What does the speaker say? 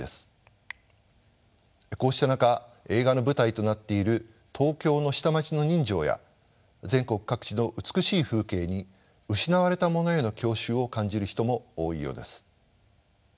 こうした中映画の舞台となっている東京の下町の人情や全国各地の美しい風景に失われたものへの郷愁を感じる人も多いようです。